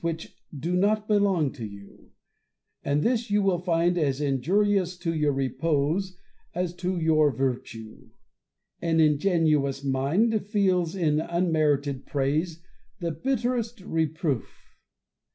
71 ■which do not belong to you ; and this you will find as injur ious to your repose as to your virtue. An ingenuous mind feels in unmerited praise the bitterest reproof.